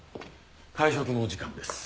会食のお時間です。